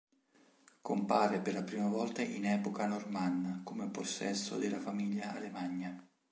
Compare per la prima volta in epoca normanna, come possesso della famiglia Alemagna.